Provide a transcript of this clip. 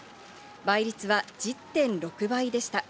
倍率は１０．６倍でした。